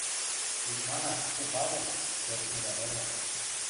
— Икманаш, куп агыл, шӧртньӹ лявӹрӓ.